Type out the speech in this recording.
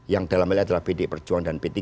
yang dalamnya adalah pd perjuangan dan p tiga